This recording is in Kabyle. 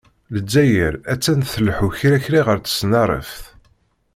Lezzayer attan tleḥḥu kra kra ɣer tesnareft.